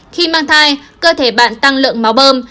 khi mang thai cơ thể bạn tăng lượng máu bơm